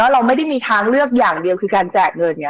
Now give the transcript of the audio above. เราไม่ได้มีทางเลือกอย่างเดียวคือการแจกเงิน